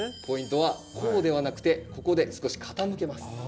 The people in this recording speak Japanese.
ポイントはこうではなくてここで少し傾けます。